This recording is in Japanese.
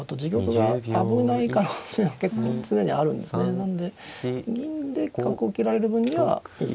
なので銀で角を切られる分にはいい。